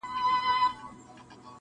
• نا پاکستانه کنډواله دي کړمه..